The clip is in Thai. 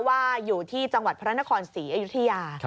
ว่าอยู่ที่จังหวัดพระนครศรีอยุธยา